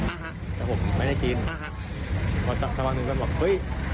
อ่าฮะแต่ผมไม่ได้กินอ่าฮะพอจับสักวันหนึ่งก็บอกเฮ้ย